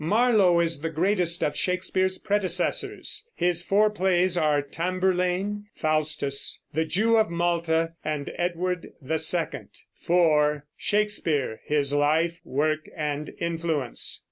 Marlowe is the greatest of Shakespeare's predecessors. His four plays are "Tamburlaine," "Faustus," "The Jew of Malta," and "Edward II." (4) Shakespeare, his life, work, and influence.